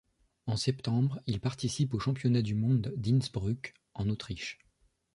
En septembre, il participe aux championnats du monde d'Innsbruck, en Autriche.